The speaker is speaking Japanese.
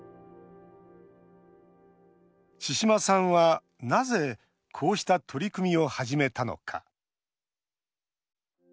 千嶋さんはなぜこうした取り組みを始めたのか。